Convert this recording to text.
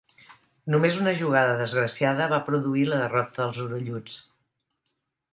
Només una jugada desgraciada va produir la derrota dels orelluts.